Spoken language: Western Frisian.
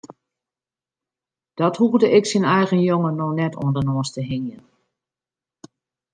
Dat hoegde ik syn eigen jonge no net oan de noas te hingjen.